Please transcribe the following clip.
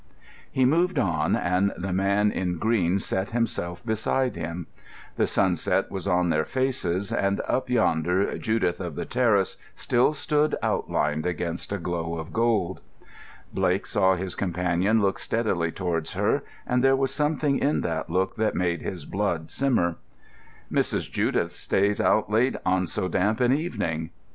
He moved on, and the man in green set himself beside him. The sunset was on their faces, and up yonder Judith of the Terrace still stood outlined against a glow of gold. Blake saw his companion look steadily towards her, and there was something in that look that made his blood simmer. "Mrs. Judith stays out late on so damp an evening."